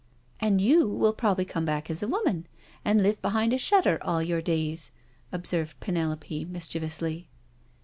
" And you will probably come back as a woman, and live behind a shutter all your days," observed Penelope mbchievously.